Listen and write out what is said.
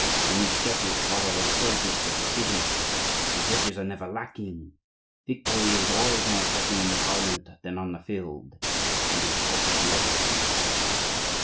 We need judges rather than soldiers for this business—and judges are never lacking. Victory is always more certain in the parliament than on the field, and it costs less."